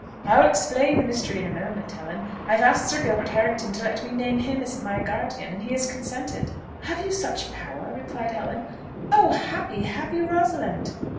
"I will explain the mystery in a moment, Helen. I have asked Sir Gilbert Harrington to let me name him as my guardian, and he has consented." "Have you such power?" replied Helen. "Oh, happy, happy Rosalind!"